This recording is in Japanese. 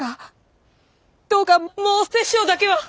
どうかもう殺生だけは。